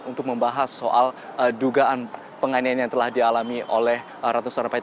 untuk membahas soal dugaan penganiayaan yang telah dialami oleh ratna sarumpait